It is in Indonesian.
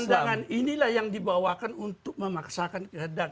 pandangan inilah yang dibawakan untuk memaksakan kehadapan